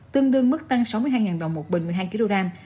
tương đương mức tăng sáu mươi hai đồng một bình một mươi hai kg